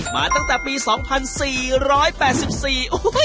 มาตั้งแต่ปีศนปี๒๔๘๔